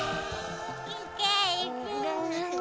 いけいけ。